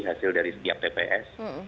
hasil dari tiap tps